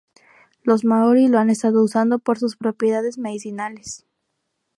Los māori lo han estado usando por sus propiedades medicinales.